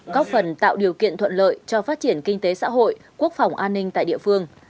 góp phần tạo điều kiện thuận lợi cho phát triển kinh tế xã hội quốc phòng an ninh tại địa phương